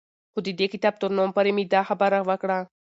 خو د دې کتاب تر نوم پورې مې دا خبره وکړه